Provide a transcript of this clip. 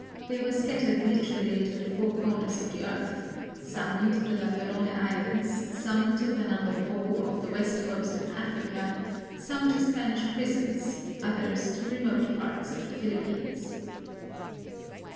They were scattered literally to the four corners of the earth: some to the Ladrone Islands, some to Fernando Po off the west coast of Africa, some to Spanish prisons, others to remote parts of the Philippines.